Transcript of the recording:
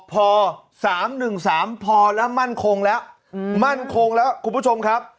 พอ๓๑๓พอแล้วมั่นคงแล้วมั่นคงแล้วคุณผู้ชมครับ